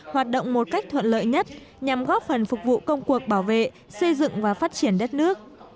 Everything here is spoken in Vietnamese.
hoạt động một cách thuận lợi nhất nhằm góp phần phục vụ công cuộc bảo vệ xây dựng và phát triển đất nước